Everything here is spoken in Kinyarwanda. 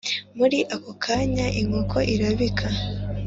Muri ako kanya inkoko irabika